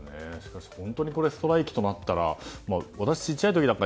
本当にストライキとなったら私、小さい時とか